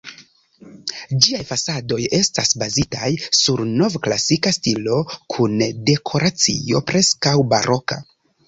Ĝiaj fasadoj estas bazitaj sur nov-klasika stilo, kun dekoracio preskaŭ-baroka.